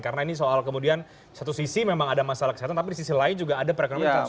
karena ini soal kemudian satu sisi memang ada masalah kesehatan tapi di sisi lain juga ada perekonomian yang tertumbuh